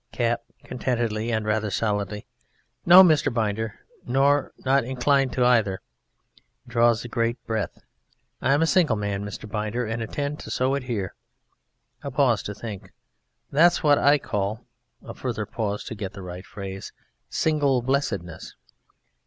CAP (contentedly and rather stolidly): No, Mr. Binder. Nor not inclined to neither. (Draws a great breath.) I'm a single man, Mr. Binder, and intend so to adhere. (A pause to think.) That's what I call (a further pause to get the right phrase) "single blessedness."